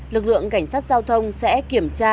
lực lượng cảnh sát giao thông sẽ kiểm tra